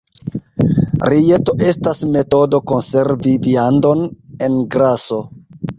Rijeto estas metodo konservi viandon en graso.